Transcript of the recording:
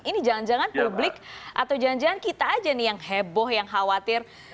ini jangan jangan publik atau jangan jangan kita aja nih yang heboh yang khawatir